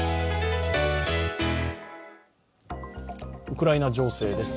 ウクライナ情勢です。